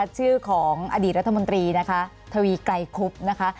ชื่อของอดีตรัฐมนตรีนะคะทวีไกรคุบนะคะ